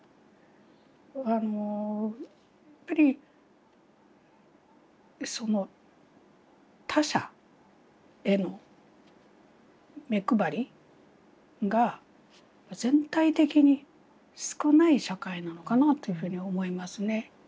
あのやっぱり他者への目配りが全体的に少ない社会なのかなというふうに思いますね。